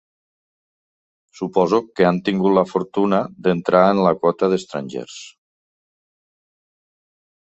Suposo que han tingut la fortuna d'entrar en la quota d'estrangers.